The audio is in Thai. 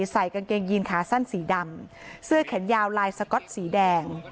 ใส่กางเกงยีนขาสั้นสีดำเสื้อแขนยาวลายสก๊อตสีแดง